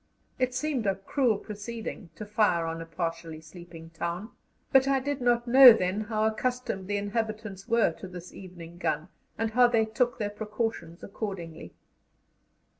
It seemed a cruel proceeding, to fire on a partially sleeping town, but I did not know then how accustomed the inhabitants were to this evening gun, and how they took their precautions accordingly.